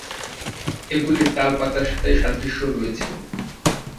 এগুলির তাল পাতার সাথে সাদৃশ্য রয়েছে।